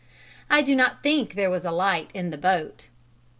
I do not think there was a light in the boat.